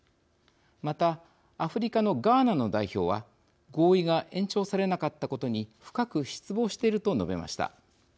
またアフリカのガーナの代表は合意が延長されなかったことに深く失望していると述べました。